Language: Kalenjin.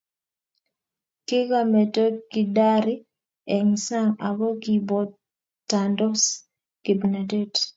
Kikameto kidari eng sang ako kiibotandos kimnatet